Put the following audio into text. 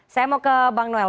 saya mau ke bang noel